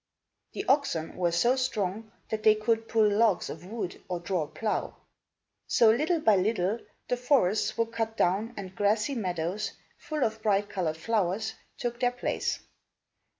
The oxen were so strong that they could pull logs of wood or draw a plough. So, little by little, the forests were cut down and grassy meadows, full of bright colored flowers, took their place.